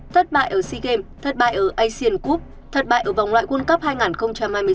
thất bại ở sea games thất bại ở asean cup thất bại ở vòng loại quân cấp hai nghìn hai mươi sáu